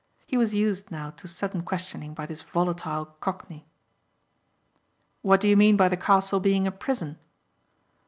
He was used now to sudden questioning by this volatile cockney. "What do you mean by the castle being a prison?"